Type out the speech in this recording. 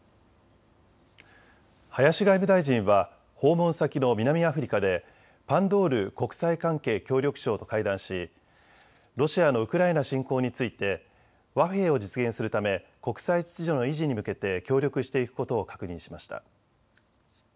林外務大臣は訪問先の南アフリカでパンドール国際関係・協力相と会談し、ロシアのウクライナ侵攻について和平を実現するため国際秩序の維持に向けて協力していくことを確認しました。